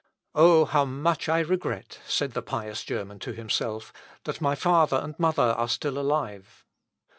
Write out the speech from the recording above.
"Oh! how much I regret," said the pious German to himself, "that my father and mother are still alive.